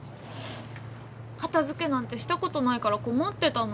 片付けなんてしたことないから困ってたの。